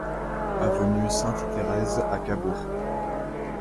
Avenue Sainte-Therese à Cabourg